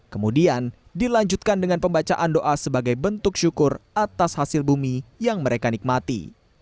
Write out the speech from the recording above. kemudian dilanjutkan dengan pembacaan doa sebagai bentuk syukur atas hasil bumi yang mereka nikmati